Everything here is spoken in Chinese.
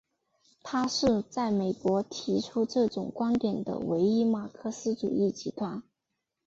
它是在美国提出这种观点的唯一的马克思主义集团。